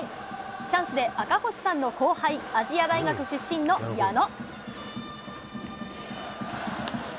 チャンスで赤星さんの後輩、亜細亜大学出身の矢野。